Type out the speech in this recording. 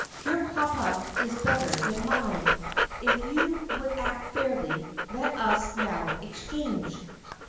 "Your papa is better than mine. If you would act fairly, let us now exchange!"